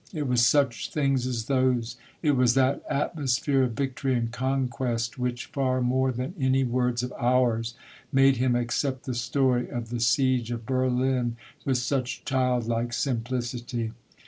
— it was such things as those, it was that atmosphere of victory and conquest, which, far more than any words of ours, made him accept the story of the siege of Berlin with such childlike simplicity.